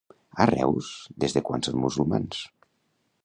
A Reus, des de quan són Musulmans?